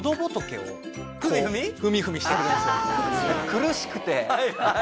苦しくて。